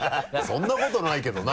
そんなことないけどな。